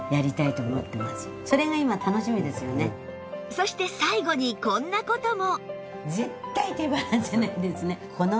そして最後にこんな事も